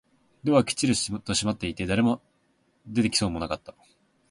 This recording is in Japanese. ドアはきっちりと閉まっていて、誰も出てきそうもなかった